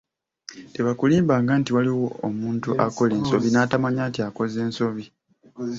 Tebakulimbanga nti waliwo omuntu akola ensobi n’atamanya nti akoze nsobi.